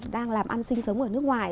đang làm ăn sinh sống ở nước ngoài